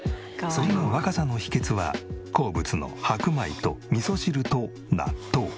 そんな若さの秘訣は好物の白米とみそ汁と納豆。